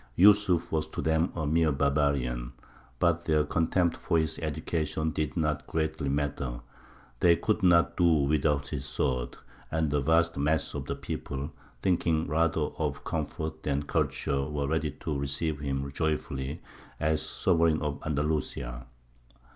Yūsuf was to them a mere barbarian. But their contempt for his education did not greatly matter; they could not do without his sword, and the vast mass of the people, thinking rather of comfort than culture, were ready to receive him joyfully as sovereign of Andalusia.